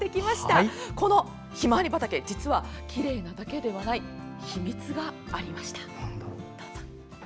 実は、こちらのひまわり畑にはきれいなだけではない秘密がありました。